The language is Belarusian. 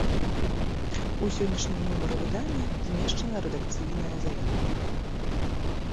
У сённяшнім нумары выдання змешчана рэдакцыйная заява.